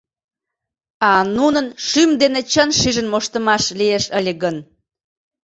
А нунын шӱм дене чын шижын моштымаш лиеш ыле гын...